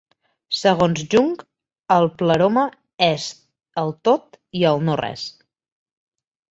Segons Jung, el pleroma és el tot i el no-res.